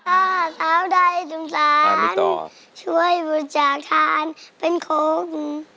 อ่าท้าวไทยสุดสานช่วยบุญชาติธรรมเป็นครบ